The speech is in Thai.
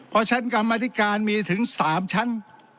เพราะชั้นกรรมธิการมีถึง๓ชั้น